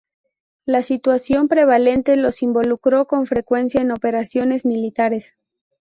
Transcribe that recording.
La situación prevalente los involucró con frecuencia en operaciones militares.